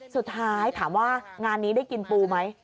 สุดท้ายถามว่างานนี้ได้กินปูไหม